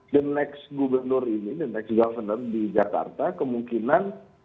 the next gubernur ini the next governance di jakarta kemungkinan